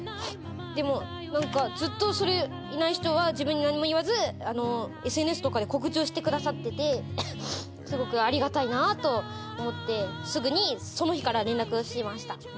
でもずっとイナイ士長は自分に何も言わずＳＮＳで告知をしてくださっててすごくありがたいなと思ってすぐにその日から連絡しました。